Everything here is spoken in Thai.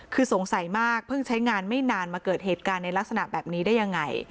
คือสงสัยมากเพิ่งใช้งานไม่นานมาเกิดเหตุการณ์ในลักษณะแบบนี้ได้ยังไง